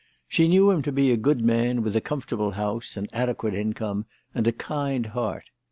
She knew him to be a good man, with a comfortable house, an adequate income, and a kind heart.